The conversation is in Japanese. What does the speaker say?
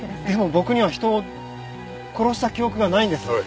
でも僕には人を殺した記憶がないんです。